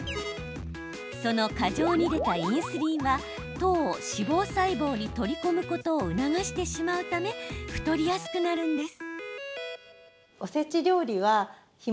その過剰に出たインスリンは糖を脂肪細胞に取り込むことを促してしまうため太りやすくなるんです。